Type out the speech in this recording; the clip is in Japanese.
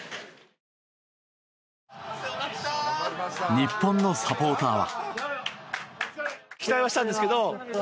日本のサポーターは。